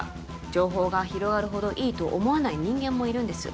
情報が広がるほどいいと思わない人間もいるんです